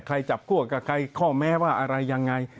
จับคั่วกับใครข้อแม้ว่าอะไรยังไง